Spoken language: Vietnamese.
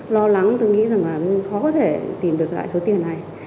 lo lắng tôi nghĩ rằng là khó có thể tìm được lại số tiền này